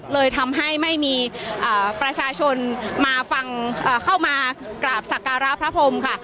เลยทำให้ไม่มีประชาชนมาฟังเข้ามากราบสักการะพระพรมค่ะ